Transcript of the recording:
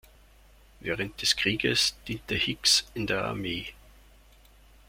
Während des Krieges diente Hicks in der Armee.